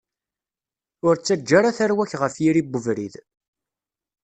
Ur ttaǧǧa ara tarwa-k ɣef yiri n ubrid.